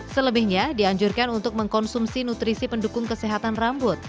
selebihnya dianjurkan untuk mengkonsumsi nutrisi pendukung kesehatan rambut